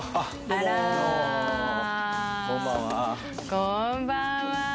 こんばんはー。